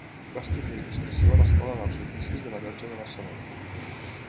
Va estudiar il·lustració a l’Escola d’Arts i Oficis de la Llotja de Barcelona.